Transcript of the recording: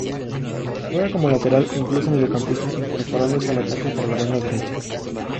Juega como lateral e incluso mediocampista, incorporándose al ataque por la banda derecha.